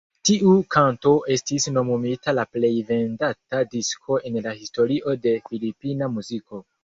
Tiu kanto estis nomumita la plej vendata disko en la historio de filipina muziko.